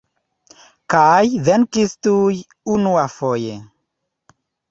Kaj venkis tuj unuafoje.